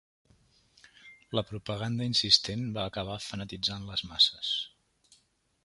La propaganda insistent va acabar fanatitzant les masses.